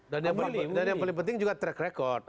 dan yang paling penting juga track record